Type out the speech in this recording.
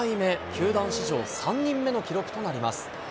球団史上３人目の記録となります。